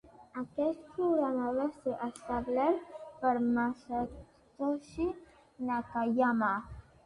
Aquest programa va ser establert per Masatoshi Nakayama.